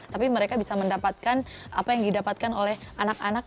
tapi mereka bisa mendapatkan apa yang didapatkan oleh anak anak